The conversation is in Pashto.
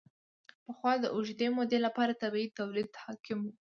پخوا د اوږدې مودې لپاره طبیعي تولید حاکم و.